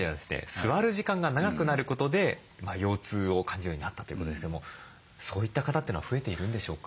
座る時間が長くなることで腰痛を感じるようになったということですけどもそういった方というのは増えているんでしょうか？